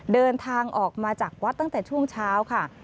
เดินทางออกมาจากวัดตั้งแต่ช่วงเช้าค่ะ